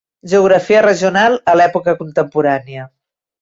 Geografia Regional a l'època contemporània.